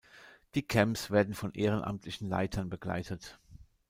Die Camps werden von ehrenamtlichen Leitern begleitet.